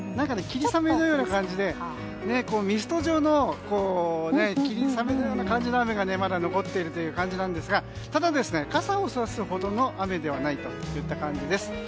霧雨のような感じでミスト状の雨がまだ残っているという感じですがただ傘をさすほどの雨ではないといった感じです。